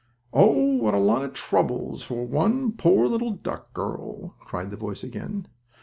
"Oh, what a lot of troubles for one poor little duck girl!" cried the voice again.